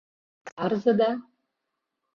Тарзыда?